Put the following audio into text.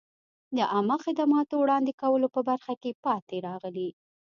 د عامه خدماتو وړاندې کولو په برخه کې پاتې راغلي.